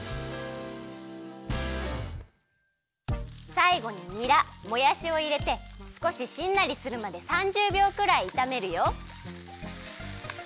さいごににらもやしをいれてすこししんなりするまで３０びょうくらいいためるよ。